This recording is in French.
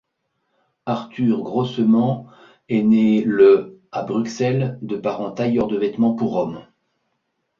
Arthur Grosemans est né le à Bruxelles de parents tailleurs de vêtements pour hommes.